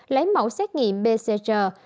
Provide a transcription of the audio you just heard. lấy mẫu xét nghiệm bcr